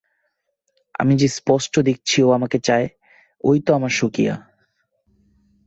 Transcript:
আমি যে স্পষ্ট দেখছি ও আমাকে চায়, ঐ তো আমার স্বকীয়া।